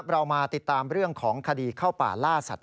เรามาติดตามเรื่องของคดีเข้าป่าล่าสัตว